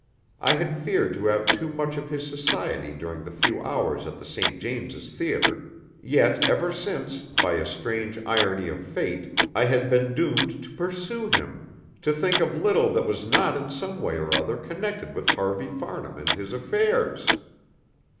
I had feared to have too much of his society during the few hours at the St. James's Theatre; yet ever since, by a strange irony of fate, I had been doomed to pursue him, to think of little that was not in some way or other connected with Harvey Farnham and his affairs.